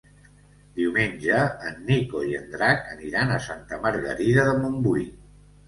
Diumenge en Nico i en Drac aniran a Santa Margarida de Montbui.